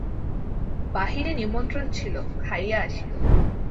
বাহিরে নিমন্ত্রণ ছিল, খাইয়া আসিল।